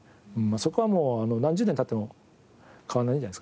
そこはもう何十年経っても変わんないんじゃないですかね。